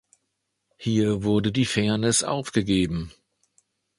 Hier wurde die Fairneß aufgegeben!